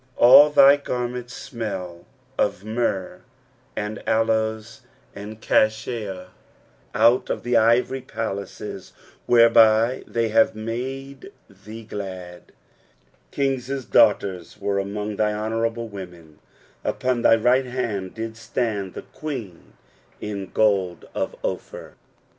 8 All thy garments smell of myrrh, and aloes, and cassia, out of the ivory palaces, whereby they have made thee glad. 9 King's daughters were among thy honourable women : upon thy right hand did stand the queen in gold of Ophir, 8.